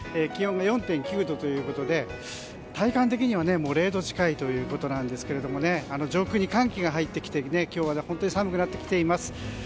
気温が４．９度ということで体感的には０度近いということなんですが上空に寒気が入ってきて今日は本当に寒くなっています。